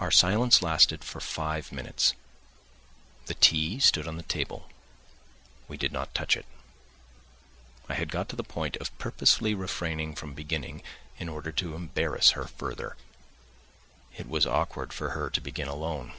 Our silence lasted for five minutes. The tea stood on the table; we did not touch it. I had got to the point of purposely refraining from beginning in order to embarrass her further; it was awkward for her to begin alone.